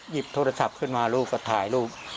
หยิบโทรศัพท์ขึ้นมาลูกก็ถ่ายรูป